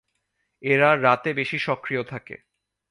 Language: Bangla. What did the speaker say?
এরা রাতে বেশি সক্রিয় থাকে।